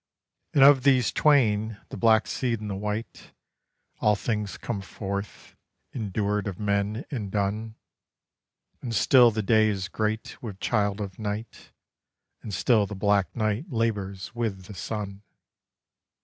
And of these twain, the black seed and the white, All things come forth, endured of men and done; And still the day is great with child of night, And still the black night labours with the sun.